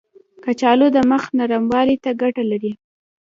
کچالو د مخ نرموالي ته ګټه لري.